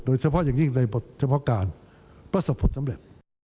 โดยเฉพาะอย่างยิ่งในบทเฉพาะการประสบผลสำเร็จ